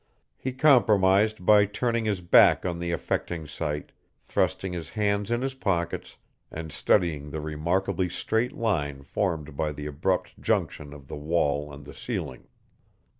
He compromised by turning his back on the affecting sight, thrusting his hands in his pockets, and studying the remarkably straight line formed by the abrupt junction of the wall and the ceiling.